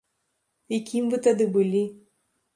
І кім вы тады былі?